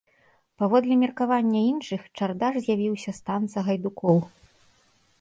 Паводле меркавання іншых, чардаш з'явіўся з танца гайдукоў.